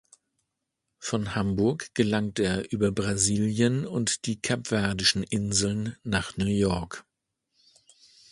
Von Hamburg gelangte er über Brasilien und die Kapverdischen Inseln nach New York.